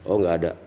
oh nggak ada